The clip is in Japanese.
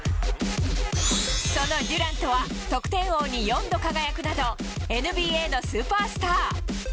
そのデュラントは得点王に４度輝くなど、ＮＢＡのスーパースター。